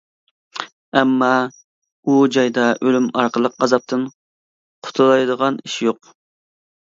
ئەمما ئۇ جايدا ئۆلۈم ئارقىلىق ئازابتىن قۇتۇلالايدىغان ئىش يوق.